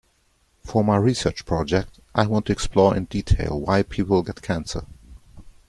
For my research project I want to explore in detail why people get cancer.